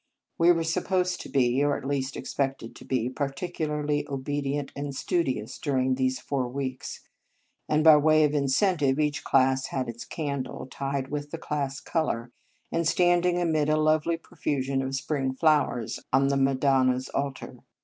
We were supposed to be, or at least expected to be, particularly obedient and studious during these four weeks; and, by way of incentive, each class had its candle, tied with the class colour, and standing amid a lovely profusion of spring flowers on the Madonna s altar.